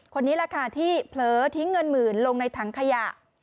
คนนี้แหละค่ะที่เผลอทิ้งเงินหมื่นลงในถังขยะ